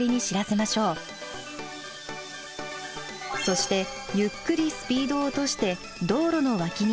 そしてゆっくりスピードを落として道路の脇に停車します。